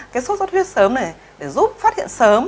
cái sốt xuất huyết sớm này để giúp phát hiện sớm